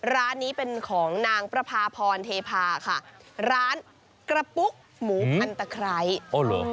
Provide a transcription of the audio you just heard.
ร้านนี้เป็นของนางประพาพรเทพาค่ะร้านกระปุ๊กหมูพันตะไคร้อ๋อเหรอ